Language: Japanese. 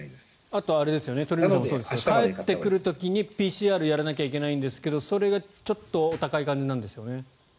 あと鳥海さんもそうですが帰ってくる時にＰＣＲをやらないといけないですがそれがちょっとお高い感じなんですよね。